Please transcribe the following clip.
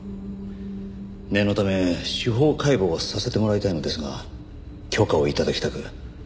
念のため司法解剖をさせてもらいたいのですが許可を頂きたく。